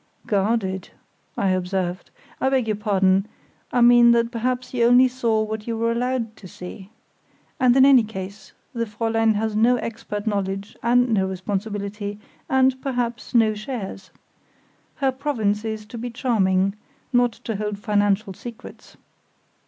"Guarded," I observed. "I beg your pardon; I mean that perhaps you only saw what you were allowed to see. And, in any case, the Fräulein has no expert knowledge and no responsibility, and, perhaps, no shares. Her province is to be charming, not to hold financial secrets."